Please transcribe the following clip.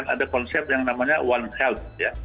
ada konsep yang namanya one health ya